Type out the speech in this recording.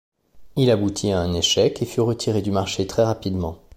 Il aboutit à un échec et fut retiré du marché très rapidement.